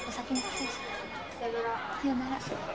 さようなら。